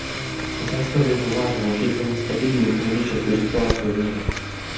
Это особенно важно, учитывая нестабильную экономическую ситуацию в мире.